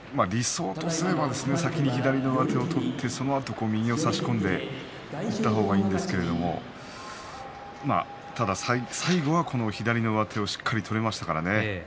まあ理想とすれば先に左の上手を取って、それから右を差し込んでいった方がいいんですが最後は、この左の上手をしっかり取りましたからね。